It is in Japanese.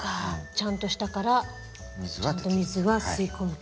ちゃんと下からちゃんと水は吸い込むと。